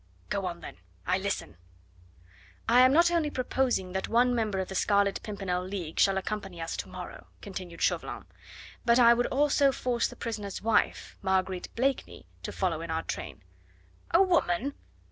"Go on, then. I listen." "I am not only proposing that one member of the Scarlet Pimpernel League shall accompany us to morrow," continued Chauvelin, "but I would also force the prisoner's wife Marguerite Blakeney to follow in our train." "A woman?